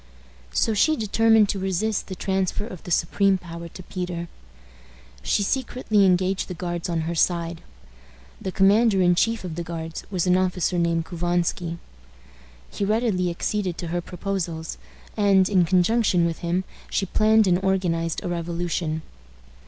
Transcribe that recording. So she determined to resist the transfer of the supreme power to Peter. She secretly engaged the Guards on her side. The commander in chief of the Guards was an officer named Couvansky. He readily acceded to her proposals, and, in conjunction with him, she planned and organized a revolution.